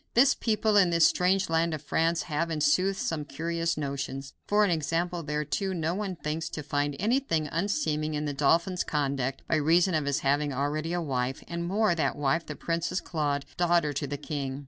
This people, in this strange land of France, have, in sooth, some curious notions. For an example thereto: no one thinks to find anything unseeming in the dauphin's conduct, by reason of his having already a wife, and more, that wife the Princess Claude, daughter to the king.